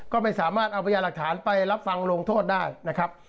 ก็ไม่สามารถเอาพญาหลักฐานไปรับฟังลงโทษได้นะครับ